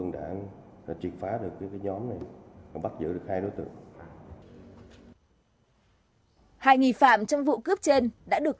đã truyền phá được nhóm này còn bắt giữ được hai đối tượng hai nghị phạm trong vụ cướp trên đã được